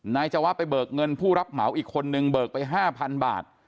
จวะไปเบิกเงินผู้รับเหมาอีกคนนึงเบิกไป๕๐๐บาท